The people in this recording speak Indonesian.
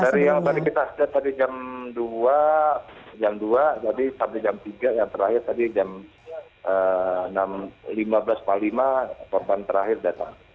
dari yang tadi kita lihat tadi jam dua jam dua tadi sampai jam tiga yang terakhir tadi jam lima belas empat puluh lima korban terakhir datang